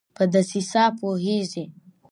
په دسیسه پوهیږي